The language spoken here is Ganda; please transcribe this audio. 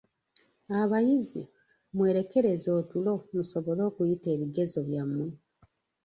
Abayizi, mwerekereze otulo musobole okuyita ebigezo byammwe..